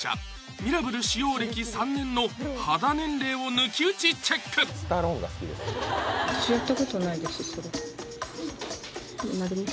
ミラブル使用歴３年の肌年齢を抜き打ちチェックやった！